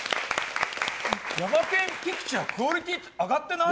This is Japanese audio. ヤマケン・ピクチャークオリティー上がってない？